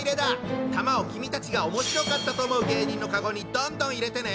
玉を君たちがおもしろかったと思う芸人のカゴにどんどん入れてね！